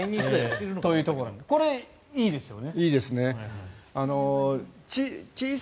これ、いいですよね。